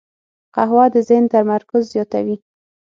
قهوه د ذهن تمرکز زیاتوي